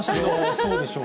そうでしょう。